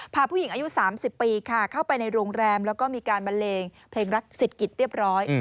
พาผู้หญิงอายุ๓๐ปีค่ะเข้าไปในโรงแรมแล้วก็มีการบันเลงเพลงรักสิทธิ์กิจเรียบร้อย